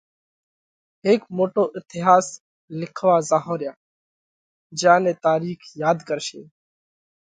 هيڪ موٽو اٿياس لکوا زائونھ ريا۔ جيا نئہ تارِيخ ياڌ ڪرشي۔